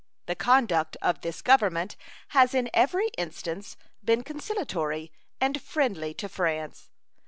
The conduct of this Government has in every instance been conciliatory and friendly to France.